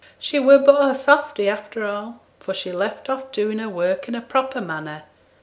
She were but a softy after all: for she left off doing her work in a proper manner.